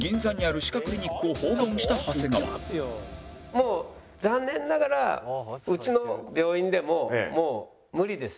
もう「残念ながらうちの病院でももう無理です。